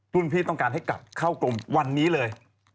พี่ต้องการให้กลับเข้ากรมวันนี้เลย